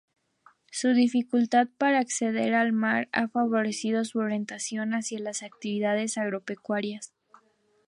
Su dificultad para acceder al mar ha favorecido su orientación hacia las actividades agropecuarias.